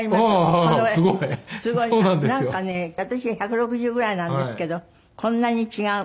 すごいなんかね私１６０ぐらいなんですけどこんなに違う。